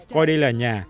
coi đây là nhà